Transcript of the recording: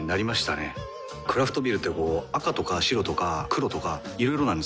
クラフトビールってこう赤とか白とか黒とかいろいろなんですよ。